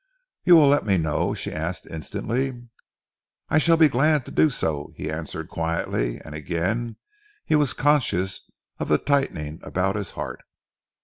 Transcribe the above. "You will let me know?" she asked instantly. "I shall be glad to do so," he answered quietly, and again he was conscious of the tightening about his heart.